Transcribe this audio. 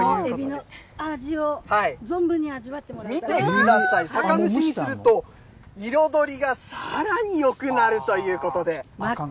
味を存分に味わってもらえる見てください、酒蒸しにすると彩りがさらによくなるということで。